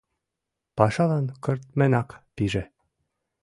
Пашалан кыртменак пиже.